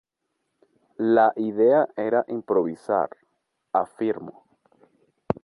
La idea era improvisar", afirmó.